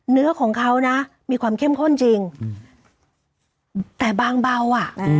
เนื้อของเขานะมีความเข้มข้นจริงแต่บางเบาอ่ะอืม